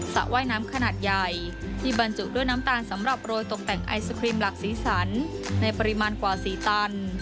ระว่ายน้ำขนาดใหญ่ที่บรรจุด้วยน้ำตาลสำหรับโรยตกแต่งไอศครีมหลักสีสันในปริมาณกว่า๔ตัน